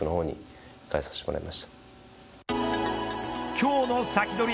今日のサキドリ！